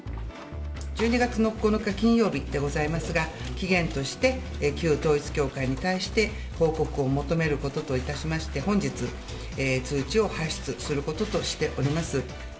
１２月の９日金曜日でございますが、期限として旧統一教会に対して報告を求めることといたしまして、本日、通知を発出することとしております。